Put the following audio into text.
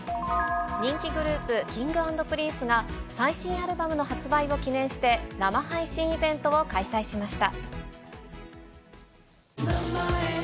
人気グループ、Ｋｉｎｇ＆Ｐｒｉｎｃｅが、最新アルバムの発売を記念して生配信イベントを開催しました。